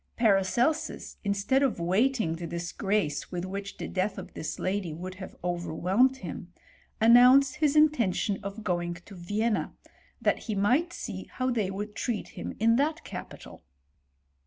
Paracelsus, instead of waiting the disgrace with which the death of this lady would have overwhelmed him, announced his intention of going to Vienna, that he might see how they would treat him in that capital.